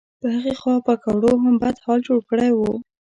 په هغې خوا پیکوړو هم بد حال جوړ کړی و.